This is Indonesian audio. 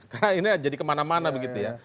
karena ini jadi kemana mana begitu ya